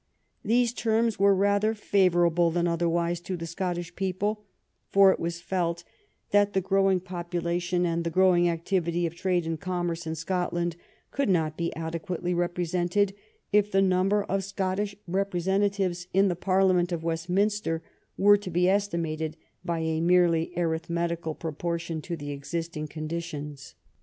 These terms were rather favorable than otherwise to the Scottish people, for it was felt that the growing population and the growing activity of trade and commerce in Scotland could not be adequately represented if the number of Scottish representatives in the Parliament of Westminster were to be estimated by a merely arithmetical proportion to the existing conditions.